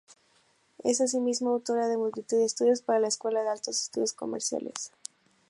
Es asimismo autora de multitud de estudios para la Escuela de Altos Estudios Comerciales.